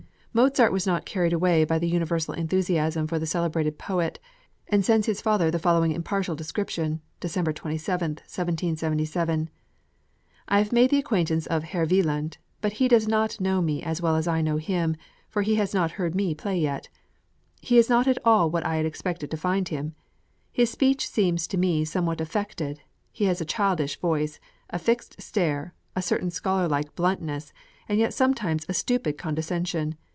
Mozart was not carried away by the universal enthusiasm for the celebrated poet, and sends his father the following impartial description (December 27, 1777): I have made the acquaintance of Herr Wieland, but he does not know me as well as I know him, for he has not heard me play yet. He is not at all what I had expected to find him. His speech seems to me somewhat affected; he has a childish voice a fixed stare a certain scholarlike bluntness, and yet sometimes a stupid condescension.